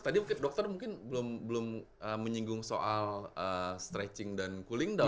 tadi mungkin dokter mungkin belum menyinggung soal stretching dan cooling down